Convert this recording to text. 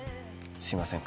すいません。